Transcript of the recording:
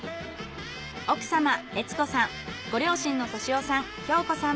奥様悦子さん